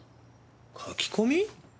書き込み？